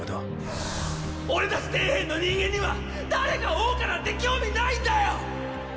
俺たち底辺の人間には誰が王かなんて興味ないんだよ！！